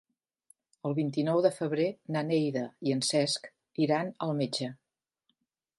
El vint-i-nou de febrer na Neida i en Cesc iran al metge.